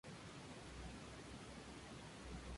Es el cuarto sencillo que se extrajo del álbum.